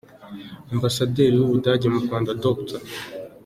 Ambasaderi w’u Budage mu Rwanda, Dr.